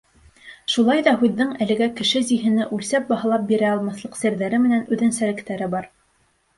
Шулай ҙа һүҙҙең әлегә кеше зиһене үлсәп-баһалап бирә алмаҫлыҡ серҙәре менән үҙенсәлектәре бар.